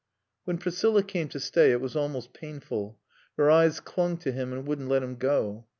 When Priscilla came to stay it was almost painful. Her eyes clung to him, and wouldn't let him go.